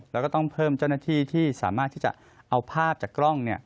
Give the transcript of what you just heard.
แล้วก็ต้องเพิ่มเจ้าหน้าที่ที่สามารถที่จะเอาภาพจากกล้อง